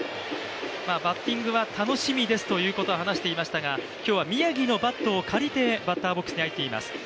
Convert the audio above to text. バッティングは楽しみですということを話していましたが今日は宮城のバットを借りてバッターボックスに入っています。